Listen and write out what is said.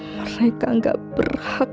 mereka gak berhak